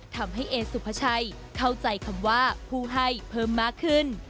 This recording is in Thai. ทำให้เอสุภาชัยเข้าใจคำว่าผู้ให้เพิ่มมากขึ้น